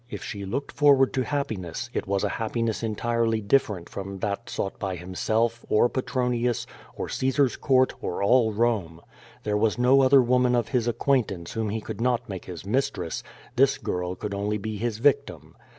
If she looked forward to hap piness, it was a happiness entirely different from that sought by himself, or Petronius, or Caesar's court, or all Home. Tiiore was no other woman of his acquaintance whom he could not make his mistress; this girl could only be his nctim.